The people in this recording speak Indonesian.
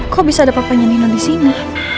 kok bisa ada papanya nino disini